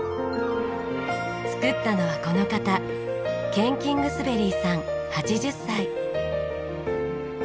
作ったのはこの方ケンキングスベリーさん８０歳。